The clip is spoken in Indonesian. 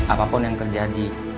apapun yang terjadi